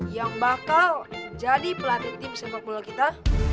yang bakal jadi pelatih tim sepak bola kita